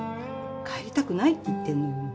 帰りたくないって言ってるの。